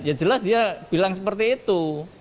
ya jelas dia bilang seperti itu